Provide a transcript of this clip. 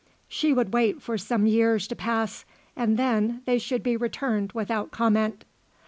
She would wait for some years to pass and then they should be returned without comment.